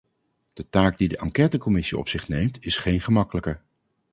De taak die de enquêtecommissie op zich neemt is geen gemakkelijke.